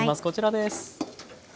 こちらです。